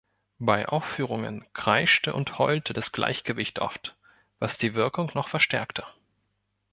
Bei Aufführungen kreischte und heulte das Gleichgewicht oft, was die Wirkung noch verstärkte.